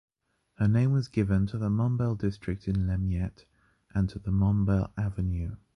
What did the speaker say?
Her name was given to the Mombele district in Limete and to the Mombele Avenue.